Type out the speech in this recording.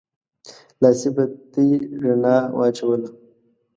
لاسي بتۍ رڼا واچوله.